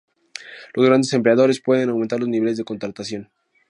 Los grandes empleadores pueden aumentar los niveles de contratación.